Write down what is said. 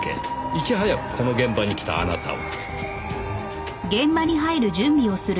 いち早くこの現場に来たあなたは。